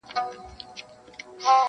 • چا نذرونه خیراتونه ایښودله -